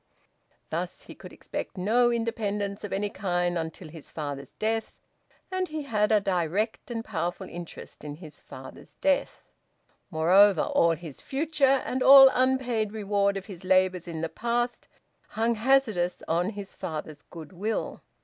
Thus he could expect no independence of any kind until his father's death, and he had a direct and powerful interest in his father's death. Moreover, all his future, and all unpaid reward of his labours in the past, hung hazardous on his father's goodwill.